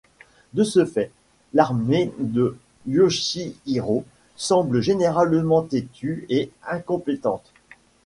De ce fait, l'armée de Yoshihiro semble généralement têtue et incompétente.